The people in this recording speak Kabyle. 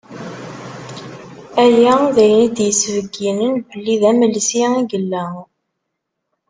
Aya d ayen i d-isbeyyinen belli d amelsi i yella.